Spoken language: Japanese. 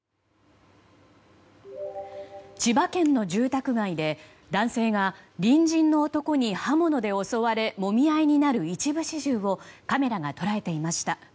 千葉県の住宅街で男性が隣人の男に刃物で襲われもみ合いになる一部始終をカメラが捉えていました。